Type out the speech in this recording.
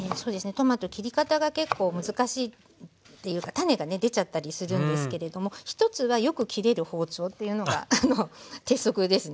トマト切り方が結構難しいっていうか種がね出ちゃったりするんですけれども１つはよく切れる包丁っていうのが鉄則ですね。